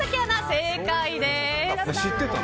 正解です。